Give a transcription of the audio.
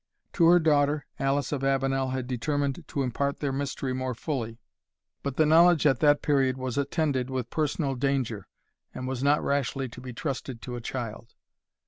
To her daughter, Alice of Avenel had determined to impart their mystery more fully, but the knowledge was at that period attended with personal danger, and was not rashly to be trusted to a child.